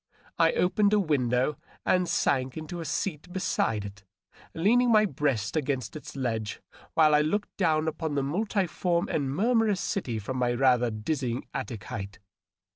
I opened a window and sank into a seat beside it, leaning my breast against its ledge while I looked down upon the multiform and murmurous city from my rather dizzy attic height.